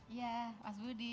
iya pak budi